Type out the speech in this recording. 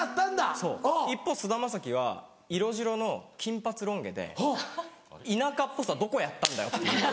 そう一方菅田将暉は色白の金髪ロン毛で田舎っぽさどこやったんだよっていう。